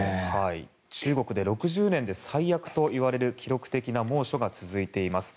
中国で６０年で最悪といわれる記録的な猛暑が続いています。